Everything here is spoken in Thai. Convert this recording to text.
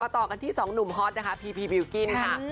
มาต่อกันที่๒หนุ่มฮอตพีพีบิลกิ้นค่ะ